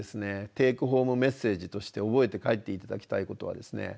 テイクホームメッセージとして覚えて帰って頂きたいことはですね